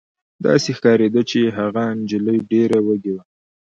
داسې ښکارېده چې هغه نجلۍ ډېره وږې وه